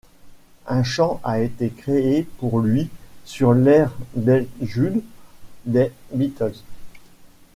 Un chant a été créé pour lui sur l'air d'Hey Jude des Beatles.